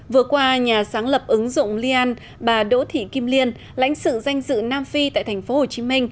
vừa qua nhà sáng lập ứng dụng lian bà đỗ thị kim liên lãnh sự danh dự nam phi tại tp hcm